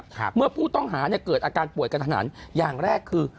เมื่อผู้ต้องหาเนี่ยเกิดอาการป่วยกระทันอย่างแรกคือ